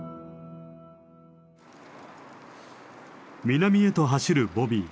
南へと走るボビー。